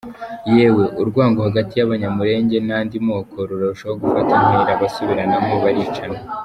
Yewe urwango hagati y’Abanyamulenge n’andi moko rurushaho gufata intera, basubiranamo baricana.